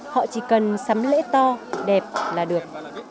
họ chỉ cần sắm lễ to đẹp là được